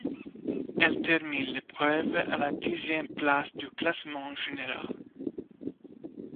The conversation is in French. Elle termine l'épreuve à la dixième place du classement général.